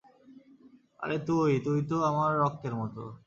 আর তুই, তুইতো আমার রক্তের মতো।